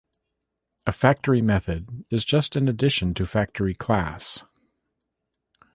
A factory method is just an addition to Factory class.